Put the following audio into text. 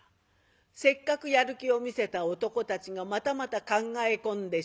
せっかくやる気を見せた男たちがまたまた考え込んでしまった。